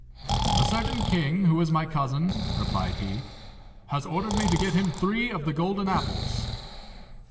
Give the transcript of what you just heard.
"A certain king, who is my cousin," replied he, "has ordered me to get him three of the golden apples."